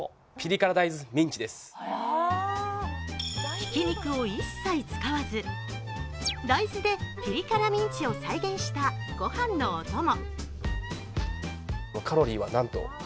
ひき肉を一切使わず、大豆でピリ辛ミンチを再現したご飯のおとも。